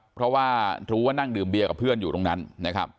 เพราะว่ารู้ว่านั่งดื่มเบียร์กับเพื่อนอยู่ตรงนั้นนะครับ